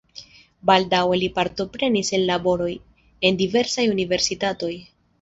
Baldaŭe li partoprenis en laboroj en diversaj universitatoj.